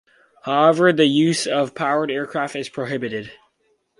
However, the use of powered aircraft is prohibited.